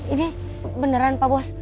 ini beneran pak bos